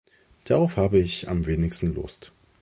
Darauf habe ich am wenigsten Lust.